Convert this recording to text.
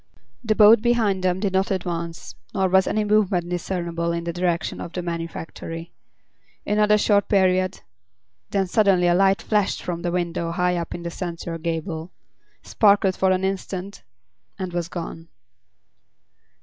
The boat behind them did not advance, nor was any movement discernible in the direction of the manufactory. Another short period, then suddenly a light flashed from a window high up in the central gable, sparkled for an instant and was gone.